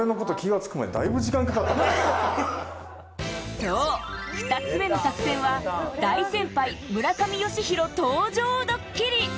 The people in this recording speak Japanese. そう、２つ目の作戦は大先輩・村上義弘登場ドッキリ！